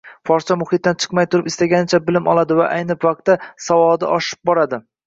forscha muhitdan chiqmay turib istaganicha bilim oladi va ayni paytda savodi oshib boradi.